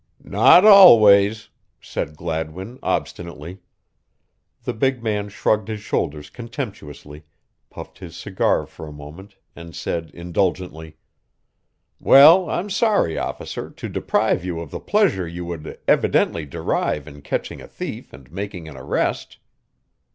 "Not always," said Gladwin, obstinately. The big man shrugged his shoulders contemptuously, puffed his cigar for a moment and said indulgently: "Well, I'm sorry, Officer, to deprive you of the pleasure you would evidently derive in catching a thief and making an arrest.